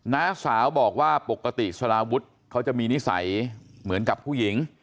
น้าสาวบอกว่าปกติสลาวุฒิเขาจะมีนิสัยเหมือนกับผู้หญิง